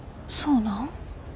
そうなん？